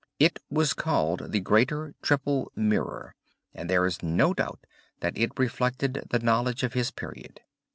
It was called the Greater Triple Mirror and there is no doubt that it reflected the knowledge of his period.